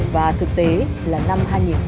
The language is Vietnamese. và thực tế là năm hai nghìn một mươi